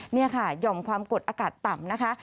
นี่ค่ะหย่อมความกดอากาศต่ำนะคะ